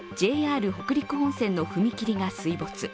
ＪＲ北陸本線の踏切が水没。